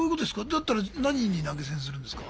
だったら何に投げ銭するんですか？